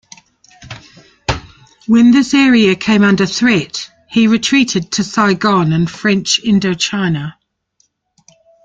When this area came under threat, he retreated to Saigon in French Indochina.